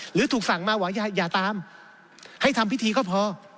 หรือถูกสั่งมาหวังอย่าตามให้ทำพิธีก็พอ